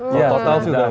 total sih udah